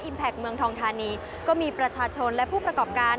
แพคเมืองทองธานีก็มีประชาชนและผู้ประกอบการ